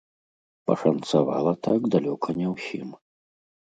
Пашанцавала так далёка не ўсім.